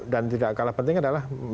dan tidak kalah penting adalah